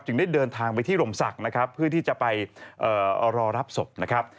ได้เดินทางไปที่ลมศักดิ์นะครับเพื่อที่จะไปรอรับศพนะครับ